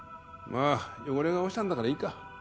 まあ汚れが落ちたんだからいいか。